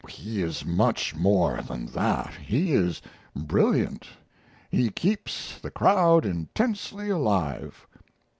He is much more than that, he is brilliant. He keeps the crowd intensely alive.